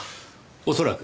恐らく。